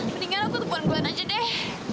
mendingan aku tumpuan glenn aja deh